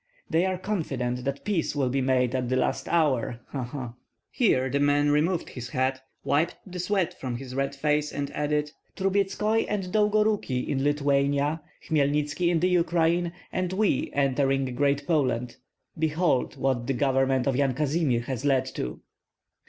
They are confident that peace will be made at the last hour, ha, ha!" Here the rear man removed his hat, wiped the sweat from his red face, and added: "Trubetskoi and Dolgoruki in Lithuania, Hmelnitski in the Ukraine, and we entering Great Poland, behold what the government of Yan Kazimir has led to."